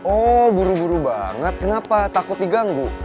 oh buru buru banget kenapa takut diganggu